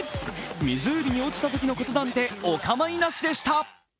湖に落ちたときのことなんて、お構いなしでした。